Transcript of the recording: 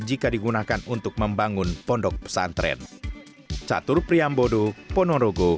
jika digunakan untuk membangun pondok pesantren